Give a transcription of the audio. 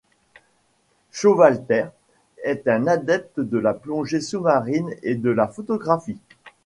Showalter est un adepte de la plongée sous-marine et de la photographie.